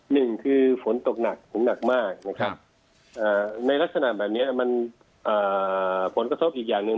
หนึ่งคือฝนตกหนักผมหนักมากนะครับในลักษณะแบบนี้มันผลกระทบอีกอย่างหนึ่ง